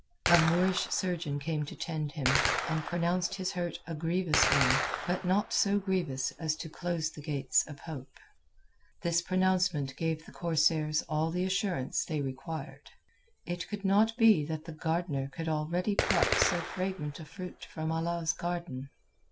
A Moorish surgeon came to tend him, and pronounced his hurt a grievous one, but not so grievous as to close the gates of hope. This pronouncement gave the corsairs all the assurance they required. It could not be that the Gardener could already pluck so fragrant a fruit from Allah's garden.